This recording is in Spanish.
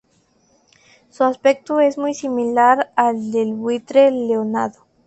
Su aspecto es muy similar al del buitre leonado.